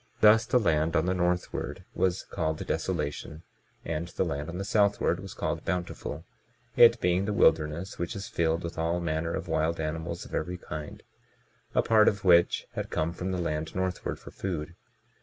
Thus the land on the northward was called Desolation, and the land on the southward was called Bountiful, it being the wilderness which is filled with all manner of wild animals of every kind, a part of which had come from the land northward for food.